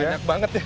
banyak banget ya